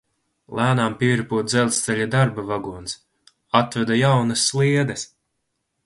Lēnām pieripo dzelzceļa darba vagons. Atveda jaunas sliedes!